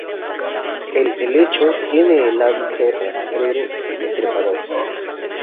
El helecho tiene el hábito rastrero y trepador.